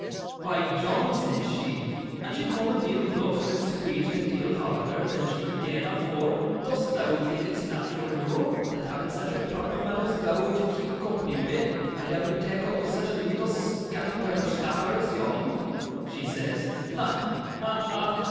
"Why, John," says she and she coom a deal closer and squeedged a deal harder than she'd deane afore "dost thou think it's nat'ral noo, that having such a proper mun as thou to keep company wi', I'd ever tak' opp wi' such a leetle scanty whipper snapper as yon?" she says. Ha! ha! ha!